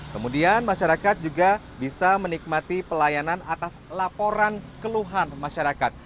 kemudian masyarakat juga bisa menikmati pelayanan atas laporan keluhan masyarakat